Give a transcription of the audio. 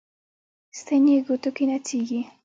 ستن یې ګوتو کې نڅیږي